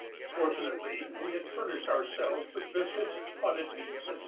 Fortunately we had furnished ourselves with biscuits, potted meat, etc.